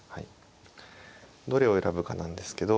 どれを選ぶかなんですけど。